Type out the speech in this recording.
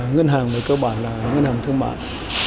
ngân hàng về cơ bản là ngân hàng thương mại